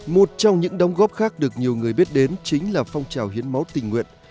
một trong những đóng góp khác được nhiều người biết đến chính là phong trào hiến máu tình nguyện